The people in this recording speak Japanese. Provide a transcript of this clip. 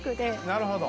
なるほど。